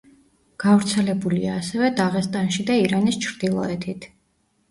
გავრცელებულია ასევე დაღესტანში და ირანის ჩრდილოეთით.